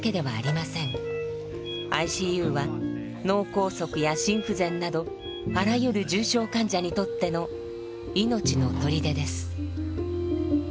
ＩＣＵは脳梗塞や心不全などあらゆる重症患者にとっての「命の砦」です。